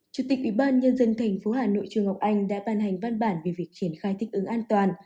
chủ tịch ủy ban nhân dân tp hà nội trường ngọc anh đã ban hành văn bản về việc triển khai tích ứng an toàn